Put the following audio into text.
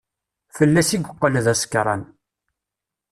Fell-as i yeqqel d asekṛan.